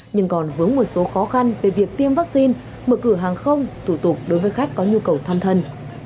nhưng còn vướng một số khó khăn về việc tiêm vaccine mở cửa hàng không thủ tục đối với khách có nhu cầu thăm thân